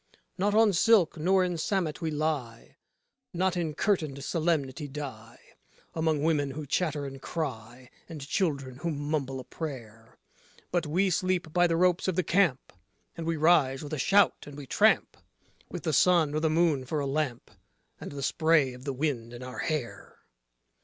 Not on silk nor in samet we lie, not in curtained solemnity die Among women who chatter and cry, and children who mumble a prayer. But we sleep by the ropes of the camp, and we rise with a shout, and we tramp With the sun or the moon for a lamp, and the spray of the wind in our hair.